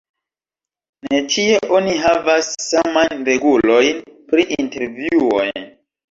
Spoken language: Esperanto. Ne ĉie oni havas samajn regulojn pri intervjuoj.